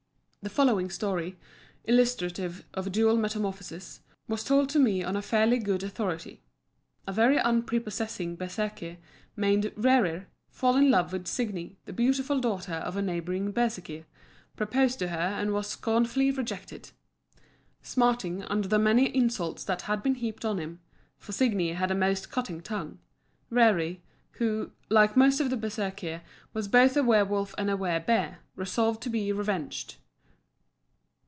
The following story, illustrative of dual metamorphosis, was told to me on fairly good authority. A very unprepossessing Bersekir, named Rerir, falling in love with Signi, the beautiful daughter of a neighbouring Bersekir, proposed to her and was scornfully rejected. Smarting under the many insults that had been heaped on him for Signi had a most cutting tongue Rerir, who, like most of the Bersekir, was both a werwolf and a wer bear, resolved to be revenged.